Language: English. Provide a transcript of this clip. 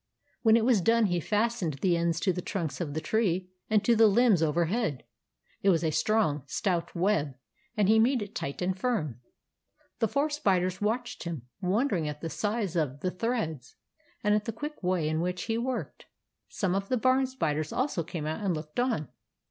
When it was done, he fastened the ends to the trunks of the tree and to the limbs over head. It was a strong, stout web, and he made it tight and firm. The four spiders watched him, wondering at the size of the GREY RAT UNDER THE PUMP 109 threads, and at the quick way in which he worked. Some of the barn spiders also came out and looked on.